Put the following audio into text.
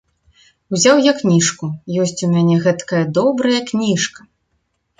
Узяў я кніжку, ёсць у мяне гэткая добрая кніжка!